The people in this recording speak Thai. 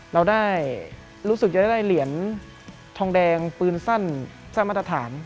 เราได้รู้สึกจะได้เหรียญทองแดงปืนสั้นสร้างมาตรฐาน